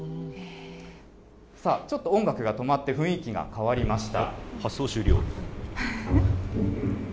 さあ、ちょっと音楽が止まって、雰囲気が変わりました。